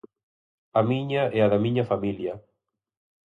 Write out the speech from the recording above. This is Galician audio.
A miña e a da miña familia.